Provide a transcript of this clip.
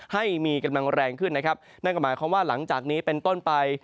ให้มีกำลังแรงขึ้นนะครับนั่นก็หมายความว่าหลังจากนี้เป็นต้นไป